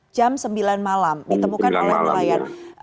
jam sembilan malam ditemukan oleh nelayan